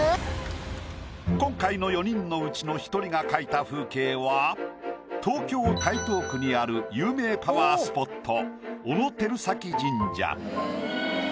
今回の４人のうちの１人が描いた風景は東京台東区にある有名パワースポット小野照崎神社。